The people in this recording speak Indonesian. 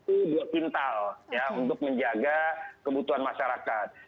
itu dua pintal ya untuk menjaga kebutuhan masyarakat